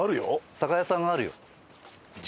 酒屋さんがあるよ。